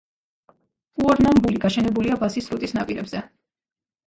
უორნამბული გაშენებულია ბასის სრუტის ნაპირებზე.